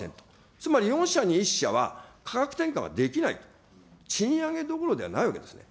つまり４社に１社は価格転嫁はできないと、賃上げどころではないわけですね。